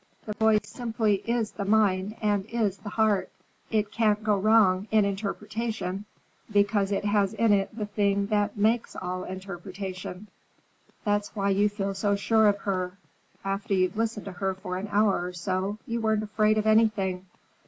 The voice simply is the mind and is the heart. It can't go wrong in interpretation, because it has in it the thing that makes all interpretation. That's why you feel so sure of her. After you've listened to her for an hour or so, you aren't afraid of anything.